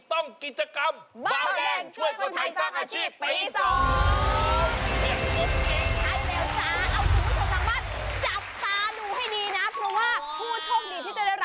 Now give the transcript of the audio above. ทางนี้พร้อมแล้วทางนู้นพร้อมไหม